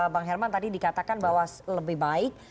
bang herman tadi dikatakan bahwa lebih baik